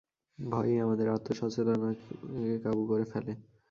ভয়ই আমাদের আত্ম-সচেতনতাকে কাবু করে ফেলে।